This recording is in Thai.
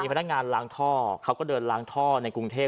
พนักงานล้างท่อเขาก็เดินล้างท่อในกรุงเทพ